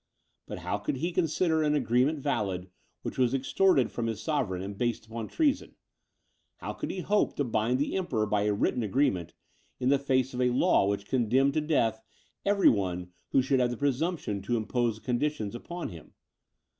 But how could he consider an agreement valid, which was extorted from his sovereign, and based upon treason? How could he hope to bind the Emperor by a written agreement, in the face of a law which condemned to death every one who should have the presumption to impose conditions upon him?